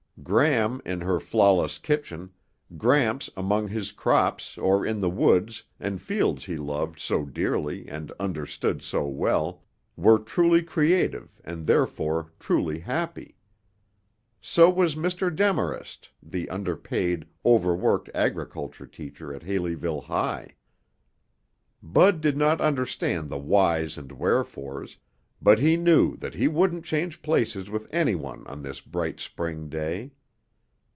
Gram in her flawless kitchen, Gramps among his crops or in the woods and fields he loved so dearly and understood so well, were truly creative and therefore truly happy. So was Mr. Demarest, the underpaid, overworked agriculture teacher at Haleyville High. Bud did not understand the whys and wherefores, but he knew that he wouldn't change places with anyone on this bright spring day.